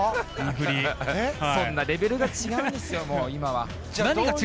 そんなレベルが違うんですよ。